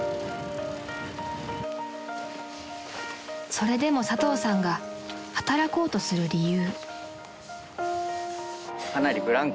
［それでも佐藤さんが働こうとする理由］